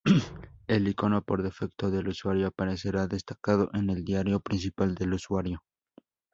El icono por defecto del usuario aparecerá destacado en el diario principal del usuario.